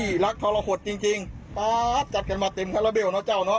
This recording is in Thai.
คาราเบลก็ต้องโอ้ยรักทรโหดจริงป๊า๊บจัดกันมาเต็มคาราเบลเนาะเจ้าเนาะ